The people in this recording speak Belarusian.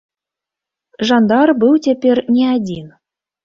Жандар быў цяпер не адзін.